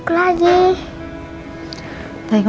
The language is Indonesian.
aku takut mimpi buah buahan